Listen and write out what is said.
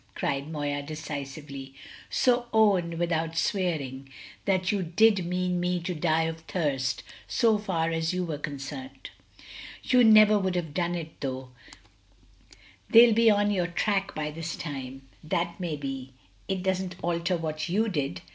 cried Moya decisively. "So own, without swearing, that you did mean me to die of thirst, so far as you were concerned." "You never would have done it, though; they'll be on your track by this time." "That may be. It doesn't alter what you did."